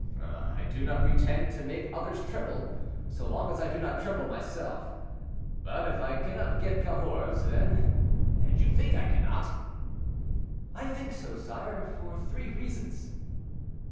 "Oh, I do not pretend to make others tremble, so long as I do not tremble myself. But if I cannot get Cahors, then, and you think I cannot—" "I think so, sire, for three reasons."